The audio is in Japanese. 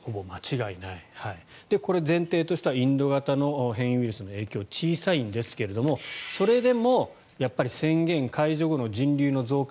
これ、前提としてはインド型の変異ウイルスの影響小さいんですがそれでも宣言解除後の人流の増加